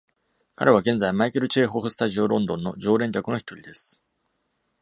彼は現在、マイケルチェーホフスタジオロンドンの常連客の一人です。